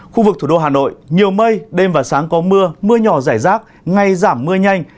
khu vực thủ đô hà nội nhiều mây đêm và sáng có mưa mưa nhỏ rải rác ngay giảm mưa nhanh